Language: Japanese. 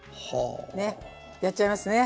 ねっやっちゃいますね。